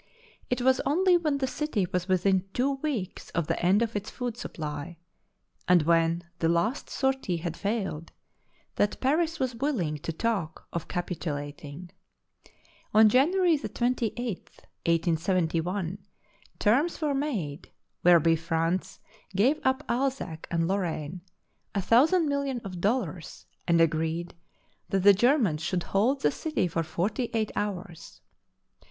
It was only when the city was within two weeks of the end of its food supply, and when the last sortie had failed, that Paris was willing to talk of capitulating. On January 28, 1871, terms were made whereby France gave up Alsace and Lorraine, a thousand millions of dollars, and agreed that the Germans should hold the city for forty eight hours.